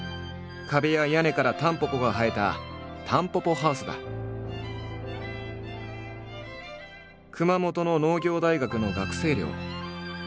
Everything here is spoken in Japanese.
壁や屋根からタンポポが生えた熊本の農業大学の学生寮。